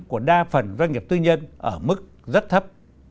của đa phần doanh nghiệp tư nhân ở mức rất thấp